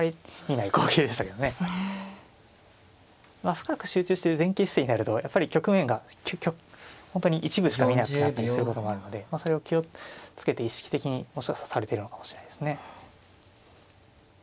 深く集中して前傾姿勢になるとやっぱり局面が本当に一部しか見えなくなったりすることもあるのでそれを気を付けて意識的にもしかしたらされているのかもしれないですね。